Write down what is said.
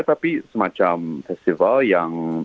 tapi semacam festival yang